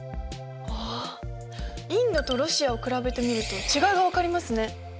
あっインドとロシアを比べてみると違いが分かりますね。